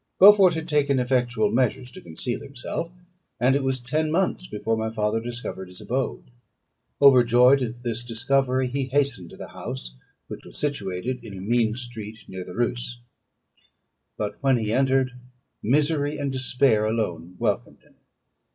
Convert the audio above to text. Beaufort had taken effectual measures to conceal himself; and it was ten months before my father discovered his abode. Overjoyed at this discovery, he hastened to the house, which was situated in a mean street, near the Reuss. But when he entered, misery and despair alone welcomed him.